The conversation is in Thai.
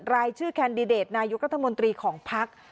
รายชื่อแคนดิเดตไนยุครัตนมนตรีของพัก